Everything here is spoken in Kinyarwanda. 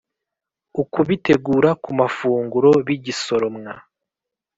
ukubitegura ku mafunguro bigisoromwa.